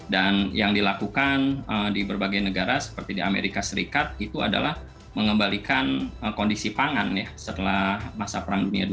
dan yang dilakukan di berbagai negara seperti di amerika serikat itu adalah mengembalikan kondisi pangan ya setelah masa perang dunia ii itu